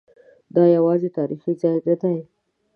دا یوازې تاریخي ځای نه دی.